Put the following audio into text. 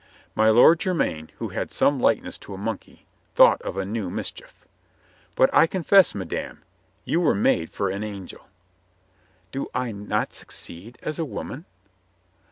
My Lord Jermyn, who had some likeness to a monkey, thought of a new mis chief. "But I confess, madame, you were made for an angel." "Do I not succeed as a woman?"